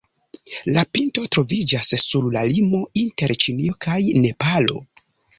La pinto troviĝas sur la limo inter Ĉinio kaj Nepalo.